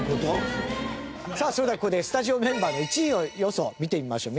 田中：さあ、それでは、ここでスタジオメンバーの１位予想見てみましょう。